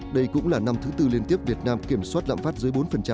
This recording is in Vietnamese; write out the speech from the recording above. đây cũng là năm thứ tư liên tiếp việt nam kiểm soát lạm phát dưới bốn